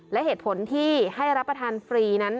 และเหตุผลที่ให้รับประทานฟรีนั้น